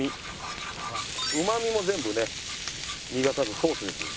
うまみも全部ね逃がさずソースにする。